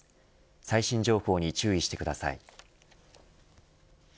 最新情報に注意してください。